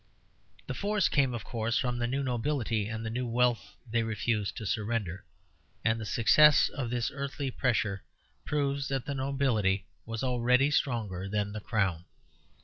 The force came, of course, from the new nobility and the new wealth they refused to surrender; and the success of this early pressure proves that the nobility was already stronger than the Crown.